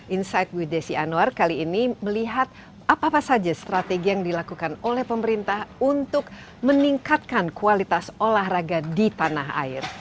insight with desi anwar kali ini melihat apa apa saja strategi yang dilakukan oleh pemerintah untuk meningkatkan kualitas olahraga di tanah air